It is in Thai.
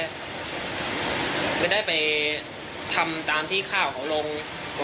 ไม่ได้ไปทำตามที่ข้าวเขาลงประมาณนั้นครับรับยังไงเสร็จยังไงครับ